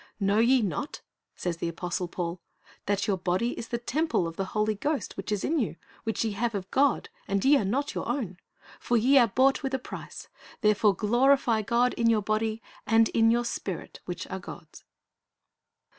"Know ye not," says the apostle Paul, "that your body is the temple of the Holy Ghost which is in you, which ye have of God, and ye are not your own? For ye are bought with a price; therefore glorify God in your body, and in your spirit, which are God's."'